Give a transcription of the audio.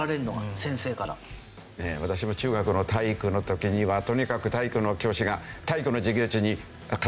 私も中学の体育の時にはとにかく体育の教師が体育の授業中にえーっ！